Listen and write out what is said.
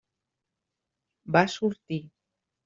Va sortir.